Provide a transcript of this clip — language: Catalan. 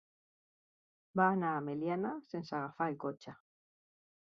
Va anar a Meliana sense agafar el cotxe.